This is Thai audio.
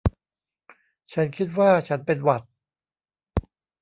ฉันคิดว่าฉันเป็นหวัด